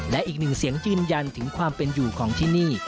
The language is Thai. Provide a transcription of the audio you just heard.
และอีกหนึ่งเสียงยืนยันถึงความเป็นอยู่ของที่นี่